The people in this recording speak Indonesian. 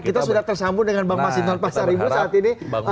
kita sudah tersambung dengan bang mas hidon pasar ibu saat ini